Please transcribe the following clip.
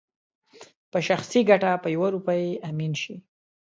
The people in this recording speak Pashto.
په شخصي ګټه په يوه روپۍ امين شي